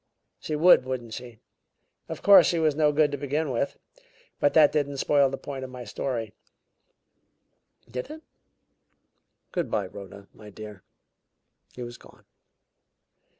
She would; wouldn't she? Of course, she was no good to begin with. But that didn't spoil the point of my story, did it? Good by, Rhoda, my dear." He was gone.